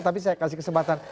tapi saya kasih kesempatan